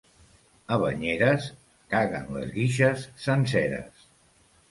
A Banyeres caguen les guixes senceres.